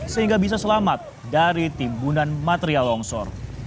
sehingga bisa selamat dari timbunan material longsor